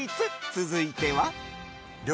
続いては。